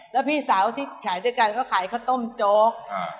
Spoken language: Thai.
แล้วพี่สาวที่ขายด้วยกันเขาขายข้าวต้มโจ๊ก